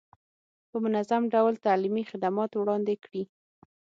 په منظم ډول تعلیمي خدمات وړاندې کړي.